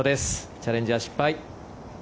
チャレンジは失敗。